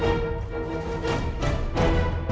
kayaknya mau ke ambang lo